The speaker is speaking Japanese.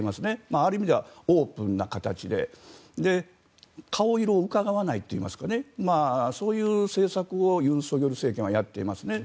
ある意味ではオープンな形で顔色をうかがわないといいますかそういう政策を尹錫悦政権はやってますね。